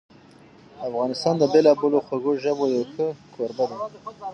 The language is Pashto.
افغانستان د بېلابېلو خوږو ژبو یو ښه کوربه ده.